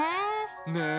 ねえ。